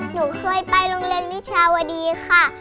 หนูเคยไปโรงเรียนวิชาวดีค่ะ